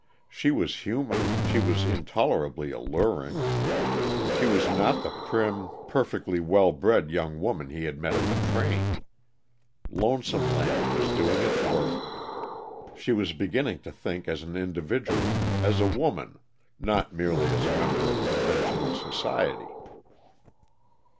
She was human, she was intolerably alluring. She was not the prim, perfectly well bred young woman he had met at the train. Lonesome Land was doing its work. She was beginning to think as an individual as a woman; not merely as a member of conventional society.